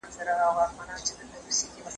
د ژوند حق ته باید درناوی وسي.